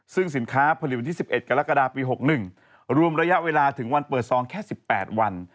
ซึ่งสินค้าผลิตวันที่๑๑กรกฎาปี๖๑รวมระยะเวลาถึงวันเปิดซองแค่๑๘วัน